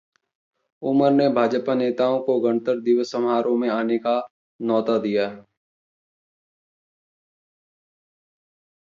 उमर ने भाजपा नेताओं को गणतंत्र दिवस समारोह में आने का न्यौता दिया